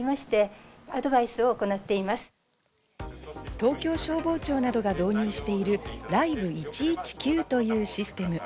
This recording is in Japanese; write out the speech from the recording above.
東京消防庁などが導入しているＬｉｖｅ１１９というシステム。